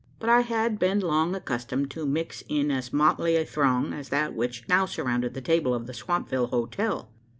But I had been long accustomed to mix in as motley a throng, as that which now surrounded the table of the Swampville hotel.